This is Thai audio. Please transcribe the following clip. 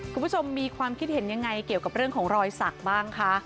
คุณผู้ชมมีความคิดเห็นยังไงเกี่ยวกับเรื่องของรอยสักบ้างคะ